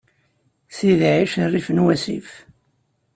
Sidi ɛic rrif n wassif.